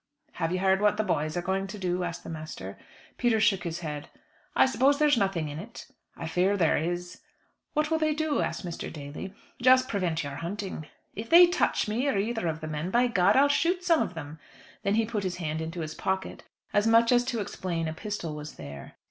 "Have you heard what the boys are going to do?" asked the master. Peter shook his head. "I suppose there's nothing in it?" "I fear there is." "What will they do?" asked Mr. Daly. "Just prevent your hunting." "If they touch me, or either of the men, by God! I'll shoot some of them." Then he put his hand into his pocket, as much as to explain a pistol was there.